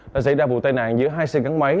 đã xảy ra vụ tai nạn giữa hai xe gắn máy